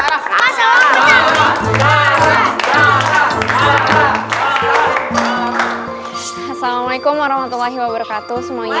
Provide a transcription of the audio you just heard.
assalamualaikum warahmatullahi wabarakatuh semuanya